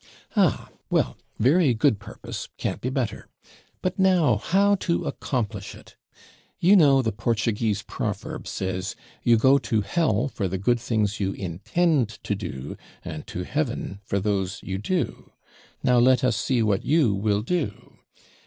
'Ah! well very good purpose can't be better; but now, how to accomplish it. You know the Portuguese proverb says, "You go to hell for the good things you intend to do, and to heaven for those you do." Now let us see what you will do.